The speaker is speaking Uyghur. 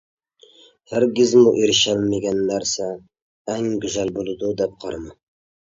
ھەرگىزمۇ ئېرىشەلمىگەن نەرسە ئەڭ گۈزەل بولىدۇ دەپ قارىما.